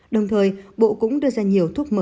đồng thời bộ cũng đưa ra nhiều thuốc mới